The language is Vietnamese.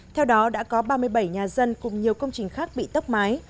theo đó đã có ba mươi bảy nhà dân cùng nhiều công trình khác bị tốc mái